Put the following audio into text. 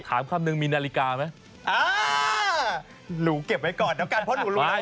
คำนึงมีนาฬิกาไหมอ่าหนูเก็บไว้ก่อนแล้วกันเพราะหนูรู้ได้